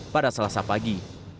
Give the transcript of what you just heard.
pada salah satu hari